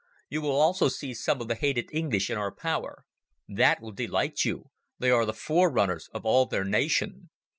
You will also see some of the hated English in our power. That will delight you. They are the forerunners of all their nation."